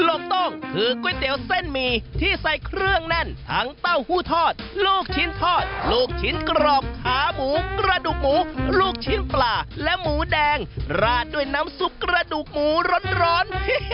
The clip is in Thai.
ลูกต้องคือก๋วยเตี๋ยวเส้นหมี่ที่ใส่เครื่องแน่นทั้งเต้าหู้ทอดลูกชิ้นทอดลูกชิ้นกรอบขาหมูกระดูกหมูลูกชิ้นปลาและหมูแดงราดด้วยน้ำซุปกระดูกหมูร้อน